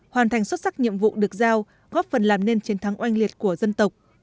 hoàn thành xuất sắc nhiệm vụ được giao góp phần làm nên chiến thắng oanh liệt của dân tộc